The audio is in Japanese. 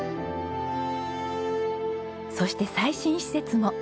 そして最新施設も。